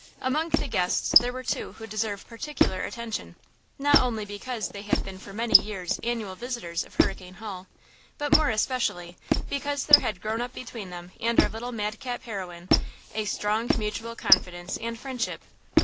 Among the guests there were two who deserve particular attention, not only because they had been for many years annual visitors of Hurricane Hall, but more especially because there had grown up between them and our little madcap heroine a strong mutual confidence and friendship.